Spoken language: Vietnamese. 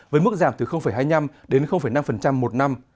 với mức giảm từ hai mươi năm đến năm một năm